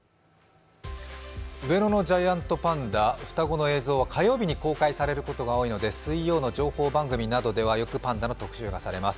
上野のジャイアントパンダ、双子の映像は火曜日に公開されることが多いので水曜の情報番組などではよくパンダの特集がされます。